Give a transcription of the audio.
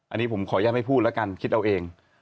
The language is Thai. อันนี้ผมขออนุญาตไม่พูดแล้วกันคิดเอาเอง